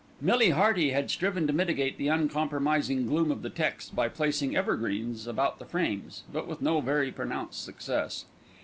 Millie Hearty had striven to mitigate the uncompromising gloom of the texts by placing evergreens above the frames; but with no very pronounced success.